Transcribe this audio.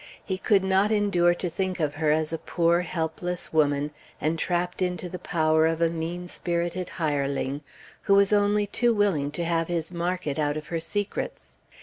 He could not endure to think of her as a poor, helpless woman, entrapped into the power of a mean spirited hireling, who was only too willing to make his market out of her secrets.